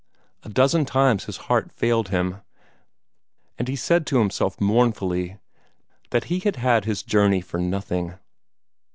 A dozen times his heart failed him, and he said to himself mournfully that he had had his journey for nothing.